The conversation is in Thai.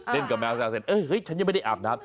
เล่นกับแมวแล้วเสร็จเฮ้ยฉันยังไม่ได้อาบน้ำ